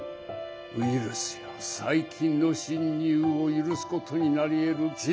ウイルスや細菌の侵入を許すことになりえる事態を招いたのです。